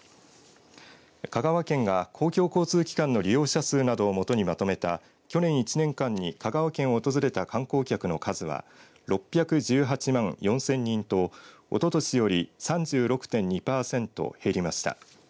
香川県が公共交通機関の利用者数などをもとにまとめた去年１年間に香川県を訪れた観光客の数は６１８万４０００人とおととしより３６．２パーセント減りました。